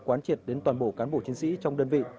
quán triệt đến toàn bộ cán bộ chiến sĩ trong đơn vị